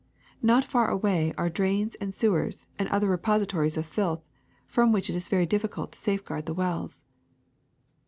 Not far away are drains and sewers and other repositories of filth, from which it is very difficult to safeguard the wells.